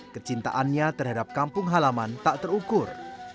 kecintaannya terhadap kampung halaman tak terukur